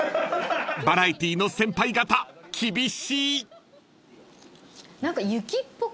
［バラエティーの先輩方厳しい］